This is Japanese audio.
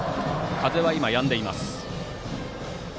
風は今、やんでいます。